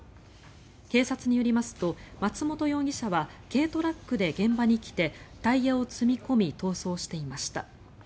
警察によりますと、松本容疑者は軽トラックで現場に来てタイヤを積み込み逃走していました。